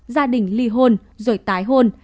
gia đình ly hôn rồi tái hôn